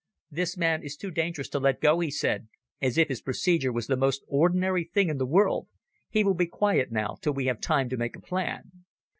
"This man is too dangerous to let go," he said, as if his procedure were the most ordinary thing in the world. "He will be quiet now till we have time to make a plan."